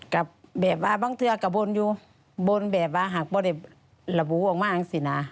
กับแบบว่าบ้างเธอกว่าบ่นอยู่บ่นแบบว่าหากพอได้ระบุมากสินะ